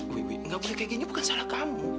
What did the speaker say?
wih wih gak boleh kayak gini bukan salah kamu